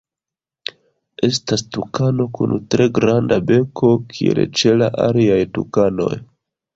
Estas tukano kun tre granda beko kiel ĉe la aliaj tukanoj.